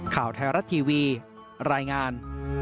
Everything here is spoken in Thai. ข่าวไทยรัฐทีวีรายงาน